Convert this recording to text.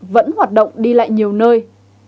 vẫn hoạt động đi lại nhiều nơi